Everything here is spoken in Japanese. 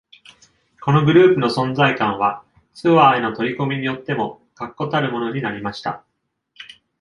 このグループの存在感は、ツアーへの取り組みによっても確固たるものになりました。